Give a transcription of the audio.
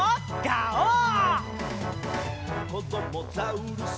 「こどもザウルス